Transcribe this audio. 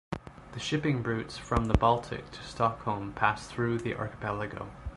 The shipping routes from the Baltic to Stockholm pass through the archipelago.